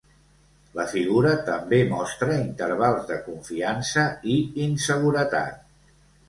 La figura també mostra intervals de confiança i inseguretat.